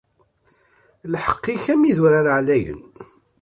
Lḥeqq-ik, am yidurar εlayen.